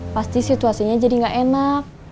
pasti situasinya jadi gak enak